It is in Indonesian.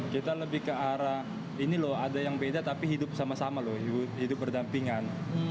kita lebih ke arah ini loh ada yang beda tapi hidup sama sama loh hidup berdampingan